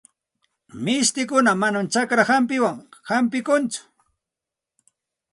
Mishtikuna manam chakra hampiwan hampinakunchu.